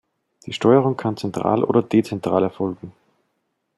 Die Steuerung kann zentral oder dezentral erfolgen.